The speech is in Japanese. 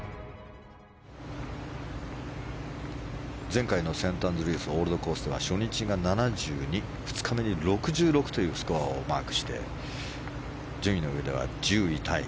前回のセントアンドリュースオールドコースでは初日が７２、２日目に６６というスコアをマークして順位のうえでは１０位タイ。